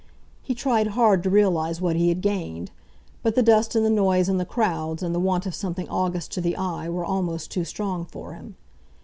He tried hard to realise what he had gained, but the dust and the noise and the crowds and the want of something august to the eye were almost too strong for him.